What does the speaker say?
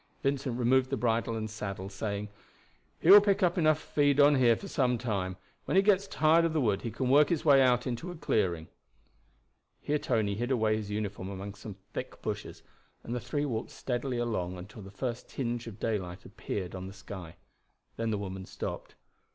Vincent removed the bridle and saddle, saying: "He will pick up enough to feed on here for some time. When he gets tired of the wood he can work his way out into a clearing." Here Tony hid away his uniform among some thick bushes, and the three walked steadily along until the first tinge of daylight appeared on the sky. Then the woman stopped.